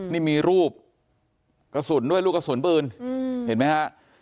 นี่มีรูปกระสุนด้วยลูกกระสุนปืนเห็นไหมฮะ